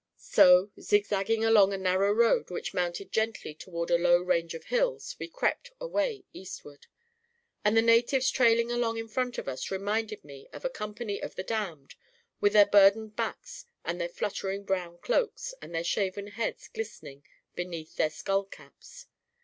So, zigzagging along a narrow road which mounted gently toward a low range of hills, we crept away eastward; and the natives trailing along in front of us reminded me of a company of the damned, with their burdened backs and their flutter ing brown cloaks and their shaven heads glistening beneath their skull caps.